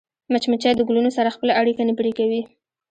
مچمچۍ د ګلونو سره خپله اړیکه نه پرې کوي